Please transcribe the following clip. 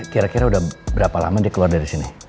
kira kira udah berapa lama dia keluar dari sini